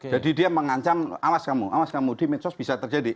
jadi dia mengancam awas kamu awas kamu di medsos bisa terjadi